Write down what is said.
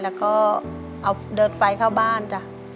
แล้วก็เอาเดินไฟเข้าบ้านจ้ะ